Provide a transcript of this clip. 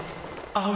合う！！